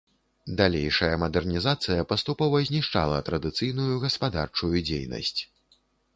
Далейшая мадэрнізацыя паступова знішчала традыцыйную гаспадарчую дзейнасць.